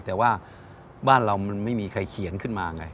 แต่ว่าบ้านเรามันไม่มีใครเขียนขึ้นมาไง